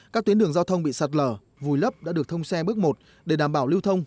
các tuyến đường giao thông bị sạt lở vùi lấp đã được thông xe bước một để đảm bảo lưu thông